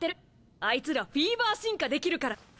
アイツらフィーバー進化できるからな！